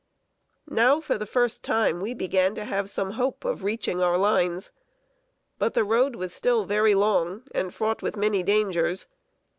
Now, for the first time, we began to have some hope of reaching our lines. But the road was still very long, and fraught with many dangers.